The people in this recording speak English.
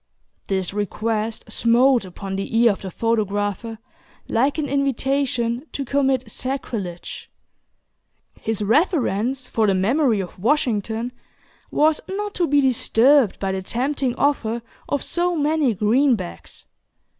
This request smote upon the ear of the photographer like an invitation to commit sacrilege. His reverence for the memory of Washington was not to be disturbed by the tempting offer of so many greenbacks.